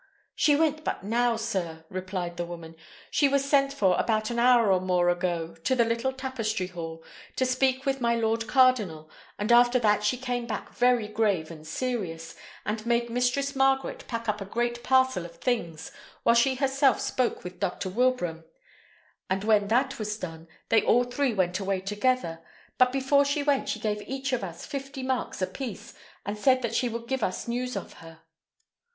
"She went but now, sir," replied the woman. "She was sent for about an hour or more ago to the little tapestry hall, to speak with my lord cardinal; and after that she came back very grave and serious, and made Mistress Margaret pack up a great parcel of things, while she herself spoke with Dr. Wilbraham; and when that was done, they all three went away together; but before she went she gave each of us fifty marks a piece, and said that she would give us news of her."